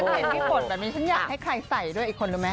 เห็นพี่ฝนแบบนี้ฉันอยากให้ใครใส่ด้วยอีกคนรู้ไหม